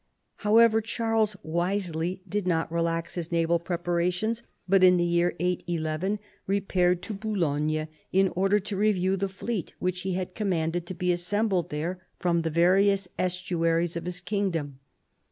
However, Charles wisely did not relax his naval preparations, but in the year 811 repaired to Boulogne in order to review the fleet which he had commanded to be assembled there from the various estuaries of his kingdom.